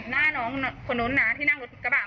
หน้าน้องคนนู้นนะที่นั่งรถกระบะ